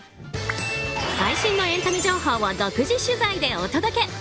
最新のエンタメ情報を独自取材でお届け。